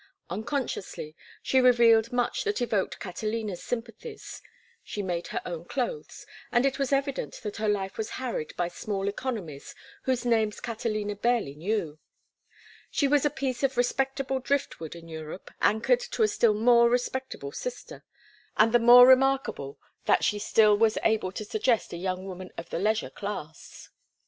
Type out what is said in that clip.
Unconsciously she revealed much that evoked Catalina's sympathies. She made her own clothes, and it was evident that her life was harried by small economies whose names Catalina barely knew. She was a piece of respectable driftwood in Europe anchored to a still more respectable sister, and the more remarkable that she still was able to suggest a young woman of the leisure class.